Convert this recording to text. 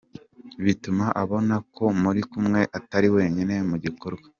Bituma abonako muri kumwe atari wenyine mu gikorwa.